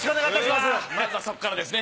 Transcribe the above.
まずはそっからですね。